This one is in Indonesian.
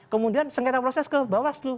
kemudian sengketa proses ke bawaslu